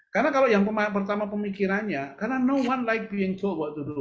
karena kalau yang pertama pemikirannya karena no one like being told waktu dulu